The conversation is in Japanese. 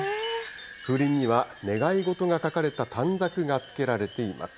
風鈴には、願い事が書かれた短冊がつけられています。